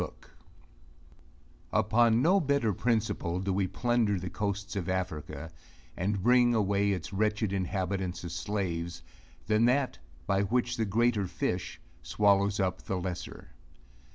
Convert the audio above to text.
II Upon no better principle do we plunder the coasts of Africa, and bring away its wretched inhabitants as slaves than that, by which the greater fish swallows up the lesser.